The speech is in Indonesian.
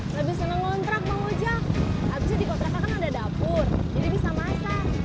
lebih seneng ngontrak mau aja abisnya dikontrak kan ada dapur jadi bisa masak